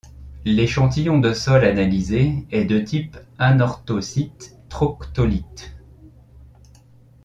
L'échantillon de sol analysé est de type anorthosite-troctolite.